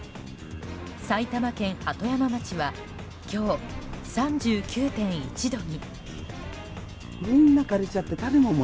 埼玉県鳩山町は今日３９．１度に。